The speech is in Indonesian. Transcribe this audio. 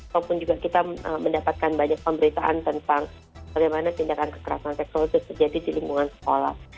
ataupun juga kita mendapatkan banyak pemberitaan tentang bagaimana tindakan kekerasan seksual itu terjadi di lingkungan sekolah